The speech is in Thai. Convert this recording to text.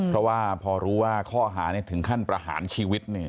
เพราะว่าพอรู้ว่าข้อหาถึงขั้นประหารชีวิต